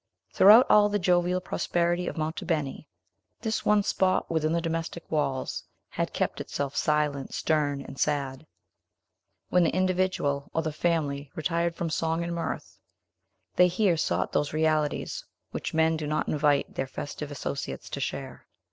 Throughout all the jovial prosperity of Monte Beni, this one spot within the domestic walls had kept itself silent, stern, and sad. When the individual or the family retired from song and mirth, they here sought those realities which men do not invite their festive associates to share.